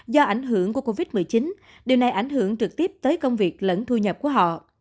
do ảnh hưởng của covid một mươi chín điều này ảnh hưởng trực tiếp tới công việc lẫn thu nhập của họ